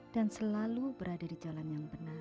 dan selalu berada di jalan yang benar